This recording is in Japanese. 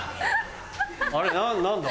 あれ何だ？